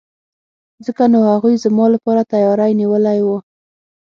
ځکه نو هغوی زما لپاره تیاری نیولی وو.